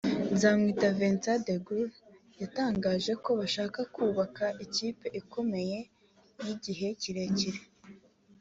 Nzamwita Vincent De Gaulle yatangaje ko bashaka kubaka ikipe ikomeye y’igihe kirekire